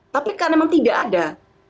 tapi karena memang tidak ada